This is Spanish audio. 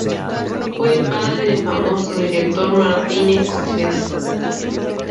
Fue el padre del famoso director Martin Scorsese.